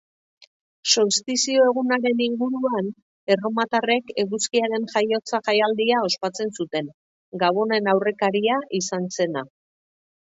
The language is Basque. Solstizio egunaren inguruan erromatarrek eguzkiaren jaiotza jaialdia ospatzen zuten, gabonen aurrekaria izan zena.